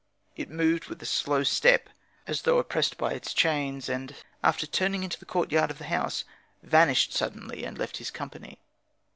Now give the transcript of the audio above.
It moved with a slow step, as though oppressed by its chains, and, after turning into the courtyard of the house, vanished suddenly and left his company.